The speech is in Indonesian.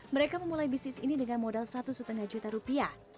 mereka memulai bisnis ini dengan modal satu lima juta rupiah